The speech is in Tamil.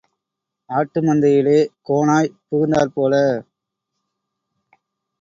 ஆட்டு மந்தையிலே கோனாய் புகுந்தாற் போல.